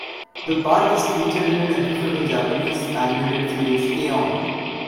The park is featured in an episode of the Japanese animated series "K-On!".